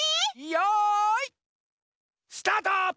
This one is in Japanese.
よいスタート！